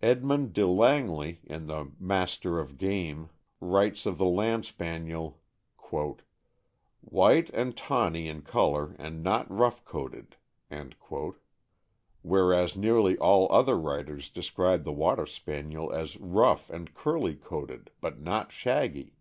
Edmond De Langley, in the k'Maister of Game," writes of the Land Spaniel, '' White and tawny in color, and not rough coated;' ' whereas nearly all other writers describe the Water Spaniel as rough and curly coated, but not shaggy.